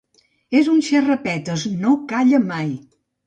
És un xerrapetes, no calla mai